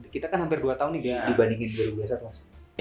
kita kan hampir dua tahun nih dibandingin dua ribu dua puluh satu mas